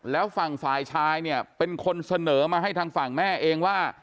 แล้วฝั่งฝ่ายชายเนี่ยเป็นคนเสนอมาให้ทางฝั่งแม่เองว่า